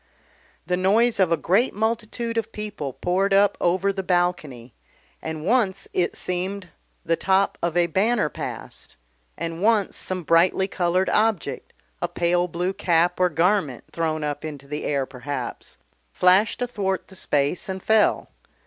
The noise of a great multitude of people poured up over the balcony, and once it seemed the top of a banner passed, and once some brightly coloured object, a pale blue cap or garment thrown up into the air perhaps, flashed athwart the space and fell.